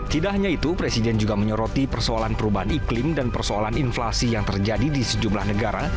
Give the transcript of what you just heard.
tidak hanya itu presiden juga menyoroti persoalan perubahan iklim dan persoalan inflasi yang terjadi di sejumlah negara